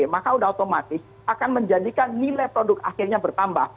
maka sudah otomatis akan menjadikan nilai produk akhirnya bertambah